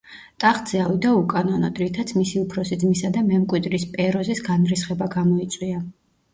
ტახტზე ავიდა უკანონოდ, რითაც მისი უფროსი ძმისა და მემკვიდრის, პეროზის განრისხება გამოიწვია.